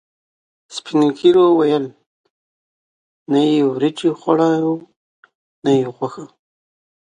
سپینږیرو ویل: نه یې وریجې خوړاوې، نه یې غوښه.